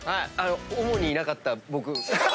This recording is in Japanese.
主にいなかった僕。